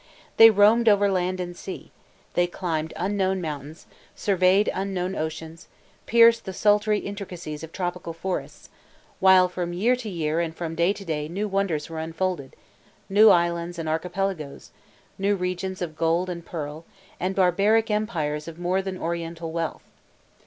They roamed over land and sea; they climbed unknown mountains, surveyed unknown oceans, pierced the sultry intricacies of tropical forests; while from year to year and from day to day new wonders were unfolded, new islands and archipelagoes, new regions of gold and pearl, and barbaric empires of more than Oriental wealth.